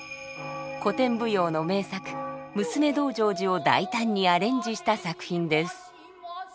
古典舞踊の名作「娘道成寺」を大胆にアレンジした作品です。